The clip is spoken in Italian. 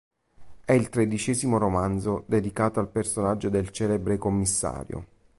È il tredicesimo romanzo dedicato al personaggio del celebre commissario.